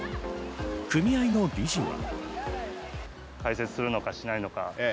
組合の理事は。